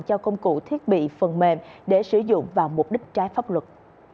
cho công cụ thiết bị phần mềm để sử dụng vào mục đích trái pháp luật